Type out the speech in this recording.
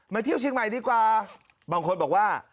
มาเที่ยวชิงไหมดีกว่าบางคนบอกว่า